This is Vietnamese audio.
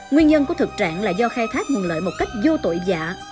nguyên nhân của thực trạng là do khai thác nguồn lợi một cách vô tội dạ